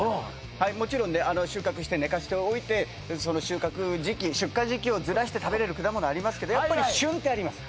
もちろんね収穫して寝かしておいてその収穫時期出荷時期をずらして食べれる果物ありますけどやっぱり旬ってあります